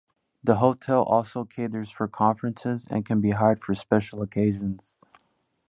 The hotel also caters for conferences and can be hired for special occasions.